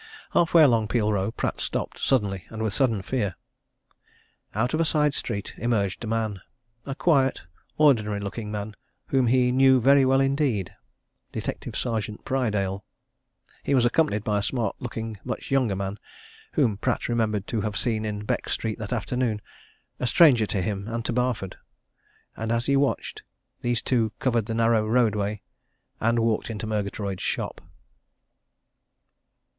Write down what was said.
Half way along Peel Row, Pratt stopped, suddenly and with sudden fear. Out of a side street emerged a man, a quiet ordinary looking man whom he knew very well indeed Detective Sergeant Prydale. He was accompanied by a smart looking, much younger man, whom Pratt remembered to have seen in Beck Street that afternoon a stranger to him and to Barford. And as he watched, these two covered the narrow roadway, and walked into Murgatroyd's shop.